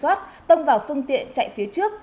để soát tông vào phương tiện chạy phía trước